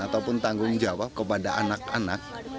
ataupun tanggung jawab kepada anak anak